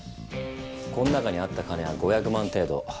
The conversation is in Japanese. こん中にあった金は５００万程度。